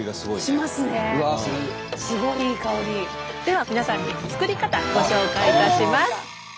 では皆さんに作り方ご紹介いたします。